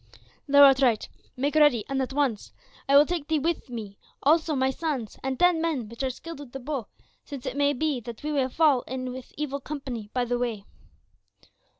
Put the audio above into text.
"Thou art right. Make ready, and at once; I will take thee with me, also my sons, and ten men which are skilled with the bow, since it may be that we fall in with evil company by the way."